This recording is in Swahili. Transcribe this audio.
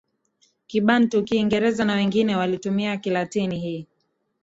Kibantu Kiingereza na wengine walitumia Kilatini Hii